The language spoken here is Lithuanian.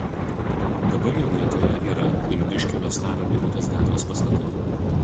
Dabar jo vietoje yra Pilviškių miestelio Birutės gatvės pastatai.